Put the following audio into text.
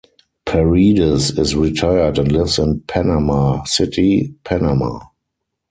Paredes is retired and lives in Panama City, Panama.